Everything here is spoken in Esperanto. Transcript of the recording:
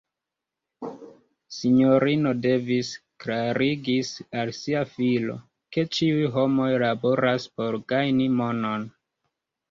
S-ino Davis klarigis al sia filo, ke ĉiuj homoj laboras por gajni monon.